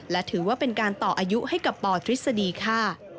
และถือว่าเป็นการต่ออายุให้กับปทฤษฎีค่ะ